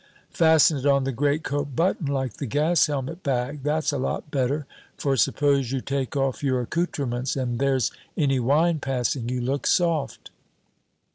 "Fasten it on a greatcoat button, like the gas helmet bag, that's a lot better; for suppose you take off your accouterments and there's any wine passing, you look soft."